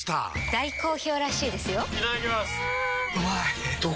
大好評らしいですよんうまい！